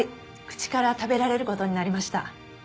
口から食べられる事になりました。